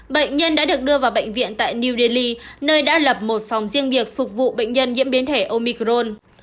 bệnh nhân đã được đưa vào bệnh viện tại new delhi nơi đã lập một phòng riêng biệt phục vụ bệnh nhân nhiễm biến thể omicron